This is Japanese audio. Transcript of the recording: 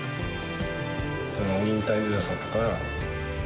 この忍耐強さとか。